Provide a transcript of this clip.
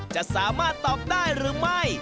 จะสามารถตอบได้หรือไม่